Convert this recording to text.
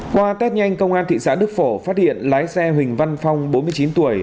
qua test nhanh công an thị xã đức phổ phát hiện lái xe huỳnh văn phong bốn mươi chín tuổi